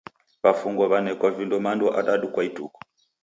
W'afungwa w'anekwa vindo mando adadu kwa ituku.